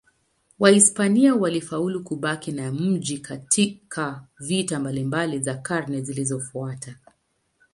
Wahispania walifaulu kubaki na mji katika vita mbalimbali za karne zilizofuata.